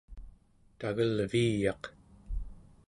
tagelviiyaq